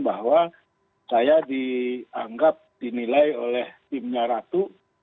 bahwa saya dianggap dinilai oleh timnya ratu